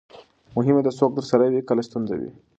مهمه ده، څوک درسره وي کله ستونزه وي.